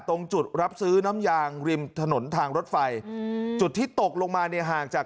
ตรงจุดรับซื้อน้ำยางริมถนนทางรถไฟอืมจุดที่ตกลงมาเนี่ยห่างจาก